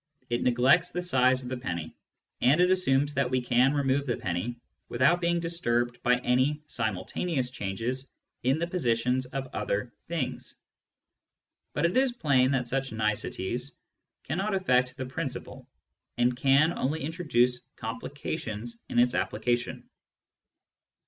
It neglects the size of the penny, and it assumes that we can remove the penny without being disturbed by any simultaneous changes in the positions of other things. But it is plain that such niceties cannot aflTect the principle, and can only introduce complications in its application.